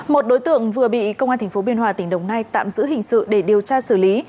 một đối tượng vừa bị công an tp biên hòa tỉnh đồng nai tạm giữ hình sự để điều tra xử lý